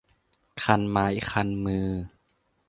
คันไม้คันมือ